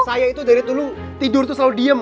saya itu dari dulu tidur itu selalu diem